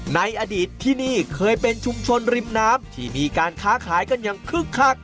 ในอดีตที่นี่เคยเป็นชุมชนริมน้ำที่มีการค้าขายกันอย่างคึกคัก